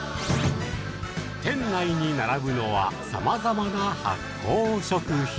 店内に並ぶのは、さまざまな発酵食品。